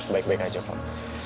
baik baik aja pak